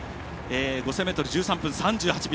５０００ｍ１３分３８秒。